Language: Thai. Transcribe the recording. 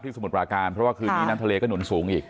เพราะว่าคืนนี้น้ำทะเลก็หนุนสูงอีก